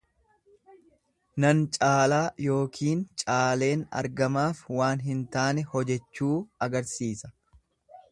Nan caalaa yookiin caaleen argamaaf waan hin taane hojechuu agarsiisa.